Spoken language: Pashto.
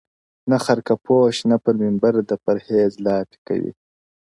• نه خرقه پوش نه پر منبر د پرهېز لاپي کوي -